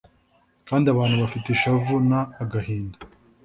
kandi abantu bafite ishavu n agahinda